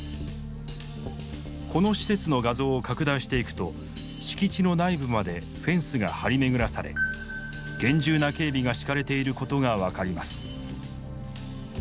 この施設の画像を拡大していくと敷地の内部までフェンスが張り巡らされ厳重な警備が敷かれていることが分かります。